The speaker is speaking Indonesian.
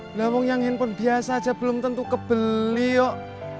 belom yang handphone biasa aja belum tentu kebeli yuk